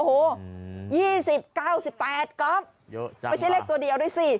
โอ้โหยี่สิบเก้าสิบแปดก๊อบไม่ใช่เลขตัวเดียวด้วยสิ